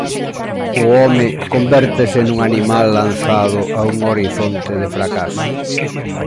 O home convértese nun animal lanzado a un horizonte de fracaso.